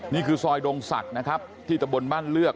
นี่คือซอยดงศักดิ์นะครับที่ตะบนบ้านเลือก